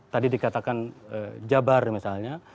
tadi dikatakan jabar misalnya